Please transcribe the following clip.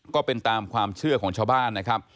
ก็เป็นตามความเชื่อของชาวบ้านนะครับ